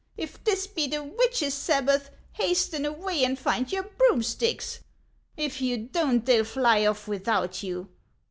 If this be the witches' Sabbath, hasten away and find your broomsticks ; if you don't, they'll fly off without you.